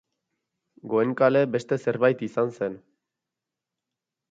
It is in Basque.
Goenkale beste zerbait izan zen.